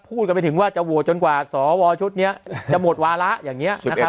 พูดกันไปถึงว่าจะโหวตจนกว่าสวชุดนี้จะหมดวาระอย่างนี้นะครับ